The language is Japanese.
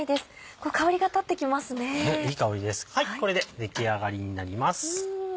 これで出来上がりになります。